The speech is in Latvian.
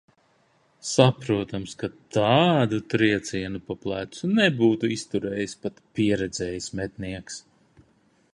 Saprotams, ka tādu triecienu pa plecu nebūtu izturējis pat pieredzējis mednieks.